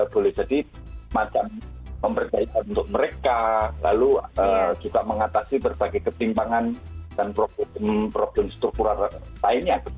boleh jadi macam pemberdayaan untuk mereka lalu juga mengatasi berbagai ketimpangan dan problem struktural lainnya